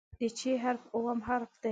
د "چ" حرف اووم حرف دی.